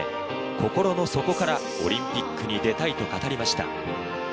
心の底からオリンピックに出たいと語りました。